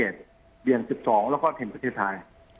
เดือน๑๒แล้วก็ถึงประเทศไทย